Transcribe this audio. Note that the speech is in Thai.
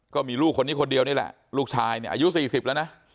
ก็มีลูกคนนี้คนเดียวนี่แหละลูกชายอายุสี่สิบแล้วนะ